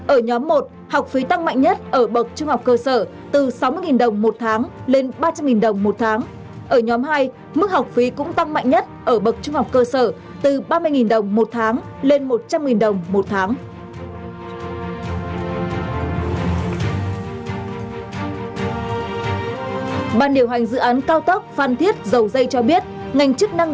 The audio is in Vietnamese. ở nhóm một học phí tăng mạnh nhất ở bậc trung học cơ sở từ sáu mươi đồng một tháng lên ba trăm linh đồng một tháng